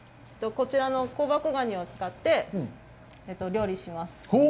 こちらの香箱ガニを使って料理します。